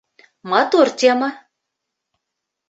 Матур тема.